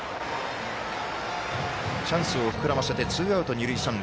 チャンスを膨らませてツーアウト、二塁三塁。